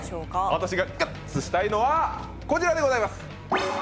私がゲッツしたいものはこちらでございます。